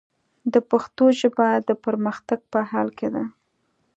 د پښتو ژبه، د پرمختګ په حال کې ده.